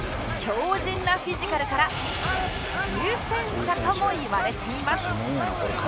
強靱なフィジカルから重戦車ともいわれています